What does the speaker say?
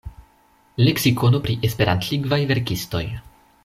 Leksikono pri Esperantlingvaj verkistoj.